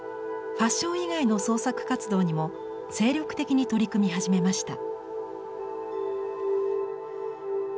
ファッション以外の創作活動にも精力的に取り組み始めました。